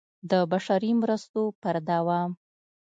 د بشري مرستو پر دوام